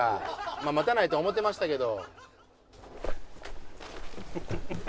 まあ待たないとは思うてましたけど。